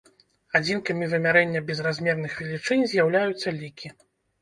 Адзінкамі вымярэння безразмерных велічынь з'яўляюцца лікі.